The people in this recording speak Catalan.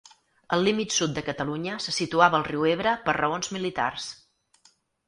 El límit sud de Catalunya se situava al riu Ebre per raons militars.